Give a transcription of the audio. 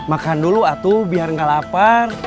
makan dulu atu biar nggak lapar